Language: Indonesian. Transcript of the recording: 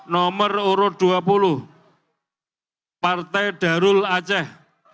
nomor urut dua puluh partai darul aceh